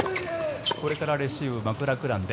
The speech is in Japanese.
これからレシーブマクラクラン勉。